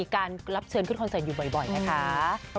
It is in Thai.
การรับเชิญขึ้นคอนเสิร์ตอยู่บ่อยนะคะ